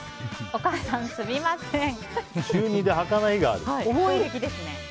お母さん、すみません。